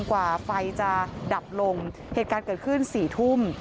กว่าไฟจะดับลงเหตุการณ์เกิดขึ้น๔ทุ่ม